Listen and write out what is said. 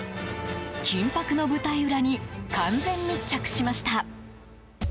緊迫の舞台裏に完全密着しました。